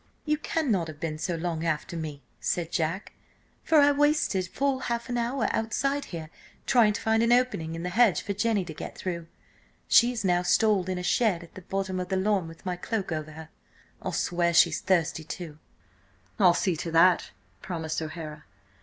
"You cannot have been so long after me," said Jack. "For I wasted full half an hour outside here, trying to find an opening in the hedge for Jenny to get through. She is now stalled in a shed at the bottom of the lawn with my cloak over her. I'll swear she's thirsty, too." "I'll see to that," promised O'Hara.